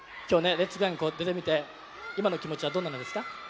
今日ね「レッツゴーヤング」出てみて今の気持ちはどんな感じですか？